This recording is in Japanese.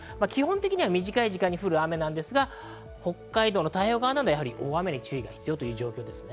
基本的には短い時間に降る雨なんですが、北海道の太平洋側は大雨に注意が必要という情報です。